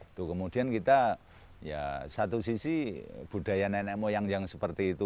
itu kemudian kita ya satu sisi budaya nenek moyang yang seperti itu